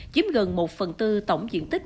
chiếm gần một phần tư tổng diện tích